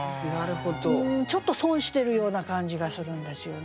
うんちょっと損してるような感じがするんですよね。